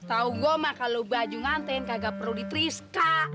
setau gue mah kalau baju nganten kagak perlu di triska